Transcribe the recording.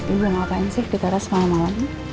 ibu ngapain sih di teras malam malam